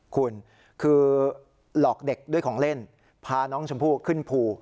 คุณคือหลอกเด็กด้วยของเล่นพาน้องชมพู่ขึ้นภู